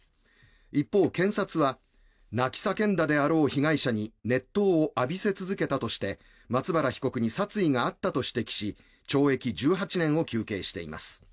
一方、検察は泣き叫んだであろう被害者に熱湯を浴びせ続けたとして松原被告に殺意があったと指摘し懲役１８年を求刑しています。